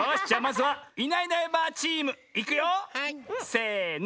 せの！